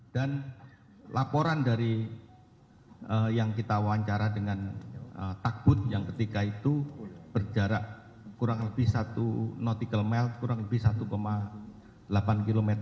dan laporan dari yang kita wawancara dengan takut yang ketika itu berjarak kurang lebih satu nautical mile kurang lebih satu delapan km